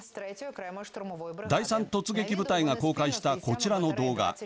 第３突撃部隊が公開したこちらの動画。